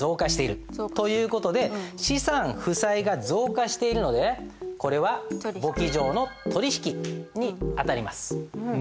という事で資産負債が増加しているのでこれは簿記上の取引に当たります。